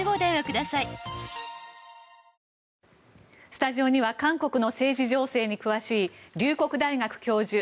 スタジオには韓国の政治情勢に詳しい龍谷大学教授